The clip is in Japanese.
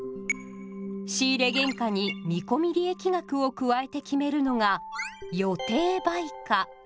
仕入原価に「見込利益額」を加えて決めるのが「予定売価」です。